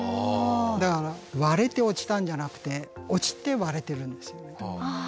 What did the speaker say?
だから割れて落ちたんじゃなくて落ちて割れてるんですよね。